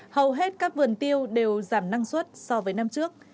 hầu hết các vườn tiêu đều giảm năng suất so với năm trước